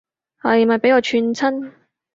係咪畀我串親